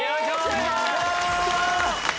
やったー！